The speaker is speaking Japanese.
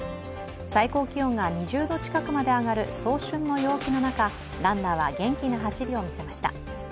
最高気温が２０度近くまで上がる早春の陽気の中ランナーは元気な走りを見せました。